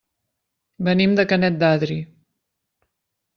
Venim de Canet d'Adri.